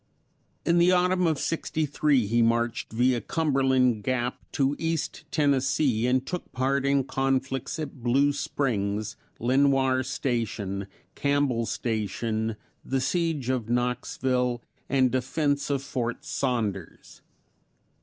In the autumn of '63 he marched via Cumberland Gap to East Tennessee and took part in conflicts at Blue Springs, Lenoir Station, Campbell's Station, the siege of Knoxville, and defense of Fort Saunders.